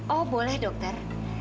oh boleh dokter